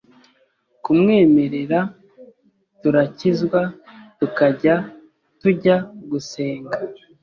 kumwemerera turakizwa tukajya tujya gusenga